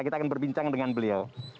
kita akan berbincang dengan beliau